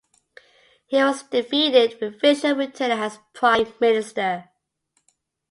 He was defeated, with Fisher returning as prime minister.